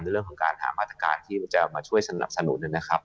เรื่องของการหามาตรการที่จะมาช่วยสนับสนุนนะครับ